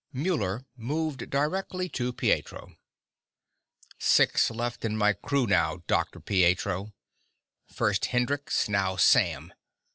Muller moved directly to Pietro. "Six left in my crew now, Dr. Pietro. First Hendrix, now Sam.